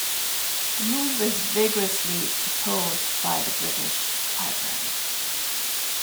The move is vigorously opposed by the British Library.